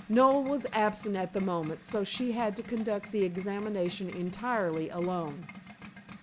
Noel was absent at the moment, so she had to conduct the examination entirely alone.